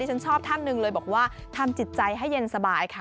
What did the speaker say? ฉันชอบท่านหนึ่งเลยบอกว่าทำจิตใจให้เย็นสบายค่ะ